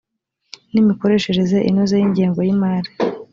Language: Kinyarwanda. n imikoreshereze inoze y ingengo y imari